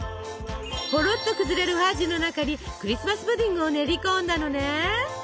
ほろっと崩れるファッジの中にクリスマス・プディングを練り込んだのね！